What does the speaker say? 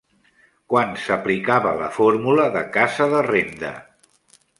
Quan s'aplicava la fórmula de "casa de renda"?